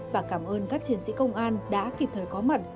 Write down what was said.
và cảm ơn các chiến sĩ công an đã kịp thời có mặt